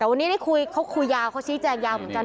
แต่วันนี้ได้คุยเขาคุยยาวเขาชี้แจงยาวเหมือนกัน